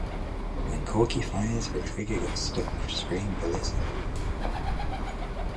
When Corky fires, the trigger gets stuck, spraying bullets everywhere.